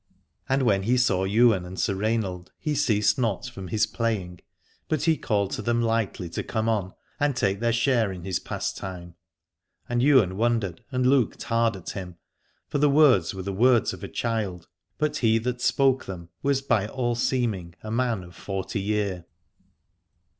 And when he saw Ywain and Sir Rainald he ceased not from his playing, but he called to them lightly to come on, and take their share in his pastime. And Ywain wondered and looked hard at him : for the words were the words of a child, but he that spoke them was by all seeming a man of forty year.